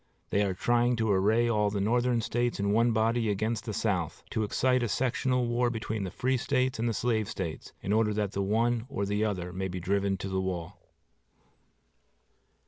They are trying to array all the Northern States in one body against the South, to excite a sectional war between the Free States and the Slave States, in order that the one or the other may be driven to the wall.